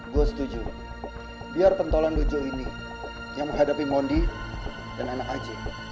gue setuju biar pentolan dojo ini yang menghadapi mundi dan anak aj